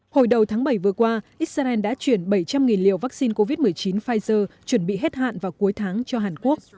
hồi đầu tháng bảy vừa qua israel đã chuyển bảy trăm linh liều vaccine covid một mươi chín pfizer chuẩn bị hết hạn vào cuối tháng cho hàn quốc